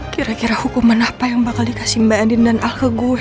kira kira hukuman apa yang bakal dikasih mba adin dan alke gue